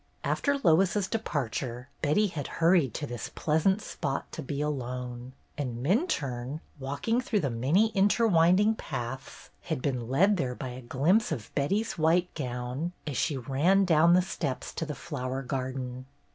After Lois's departure Betty had hurried to this pleasant spot to be alone, and Minturne, walking through the many interwinding paths, had been led there by a glimpse of Betty's white gown as she ran down the steps to the flower garden.